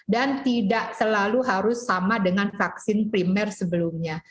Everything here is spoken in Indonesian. dan tidak selalu harus sama dengan vaksin primer sebelumnya